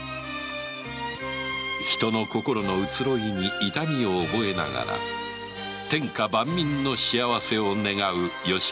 人の心の移ろいに痛みを覚えながら天下万民の幸せを願う吉宗であった